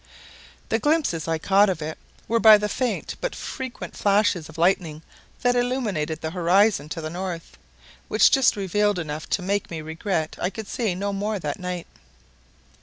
The glimpses I caught of it were by the faint but frequent flashes of lightning that illumined the horizon to the north, which just revealed enough to make me regret I could see no more that night.